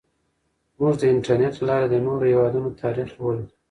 موږ د انټرنیټ له لارې د نورو هیوادونو تاریخ لولو.